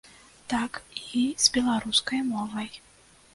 Так і з беларускай мовай.